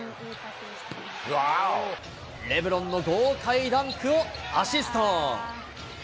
レブロンの豪快ダンクをアシスト。